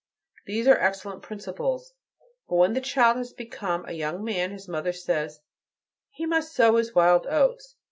These are excellent principles. But when the child has become a young man his mother says, 'He must sow his wild oats.'